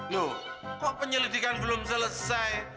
loh kok penyelidikan belum selesai